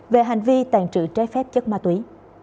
về hành vi tàn trự trái phép chất ma túy